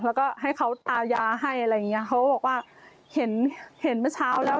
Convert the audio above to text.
แล้วก็ให้เขาตายาให้อะไรอย่างเงี้ยเขาก็บอกว่าเห็นเห็นเมื่อเช้าแล้ว